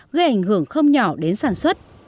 gây ảnh hưởng không nhỏ đến sản xuất